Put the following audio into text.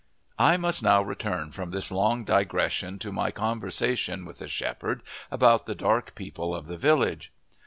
I must now return from this long digression to my conversation with the shepherd about the dark people of the village.